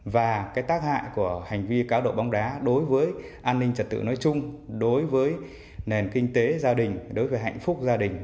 và tác hại của hành vi cáo độ bóng đá đối với an ninh trật tự nói chung đối với nền kinh tế gia đình đối với hạnh phúc gia đình